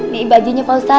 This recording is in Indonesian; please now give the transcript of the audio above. di bajunya pak ustadz